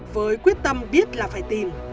với quyết tâm biết là phải tìm